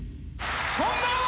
こんばんは。